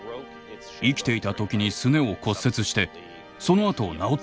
生きていた時にすねを骨折してそのあと治っています。